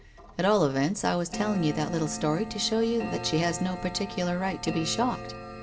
At all events, I was telling you that little story to show you that she has no particular right to be shocked.